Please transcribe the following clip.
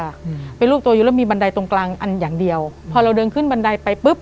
อืมเป็นรูปตัวอยู่แล้วมีบันไดตรงกลางอันอย่างเดียวพอเราเดินขึ้นบันไดไปปุ๊บ